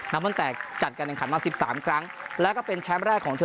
ตั้งแต่จัดการแข่งขันมา๑๓ครั้งแล้วก็เป็นแชมป์แรกของเธอ